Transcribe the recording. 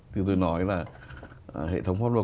như tôi nói là hệ thống pháp luật